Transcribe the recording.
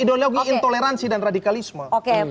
ideologi intoleransi dan radikalisme